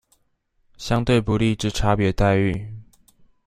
相對不利之差別待遇